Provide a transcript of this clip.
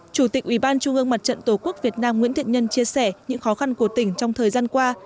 chủ tịch ủy ban trung ương mặt trận tổ quốc việt nam nguyễn thiện nhân chia sẻ những khó khăn của tỉnh trong thời gian qua